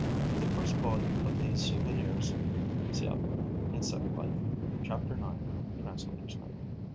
In the first volume of these "Souvenirs" (Cf. "Insect Life": chapter 9. Translator's Note.)